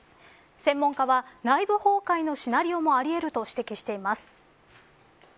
専門家は内部崩壊のシナリオもあり得ると指摘しています。